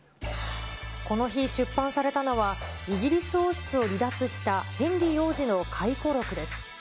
この日、出版されたのはイギリス王室を離脱したヘンリー王子の回顧録です。